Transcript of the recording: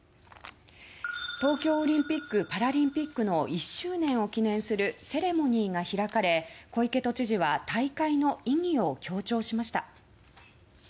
東京オリンピック・パラリンピックの１周年を記念するセレモニーが開かれ小池都知事は大会の意義を強調しました。